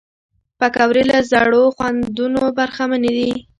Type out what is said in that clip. پکورې له زړو خوندونو برخمنې دي